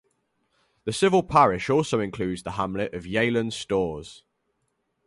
The civil parish also includes the hamlet of Yealand Storrs.